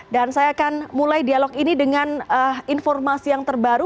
dan saya akan mulai dialog ini dengan informasi yang terbaru